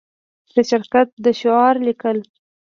د شرکت د شعار لیکل